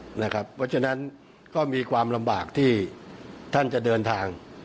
เพราะฉะนั้นก็มีความลำบากที่ท่านจะเดินทาง